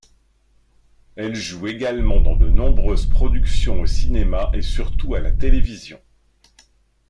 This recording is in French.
Elle joue également dans de nombreuses productions au cinéma et surtout à la télévision.